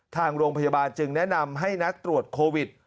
ทางโรงพยาบาลจึงแนะนำให้นัดตรวจโควิด